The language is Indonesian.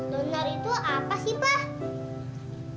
donor itu apa sih pak